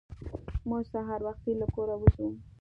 موږ سهار وختي له کوره وځو.